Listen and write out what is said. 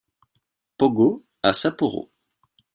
Pogo à Sapporo.